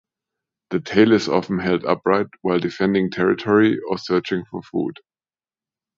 The tail is often held upright while defending territory or searching for food.